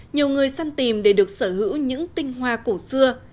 nhiều người săn tìm để được sở hữu những tinh hoa cổ xưa